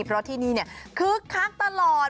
เพราะที่นี่คึกคักตลอด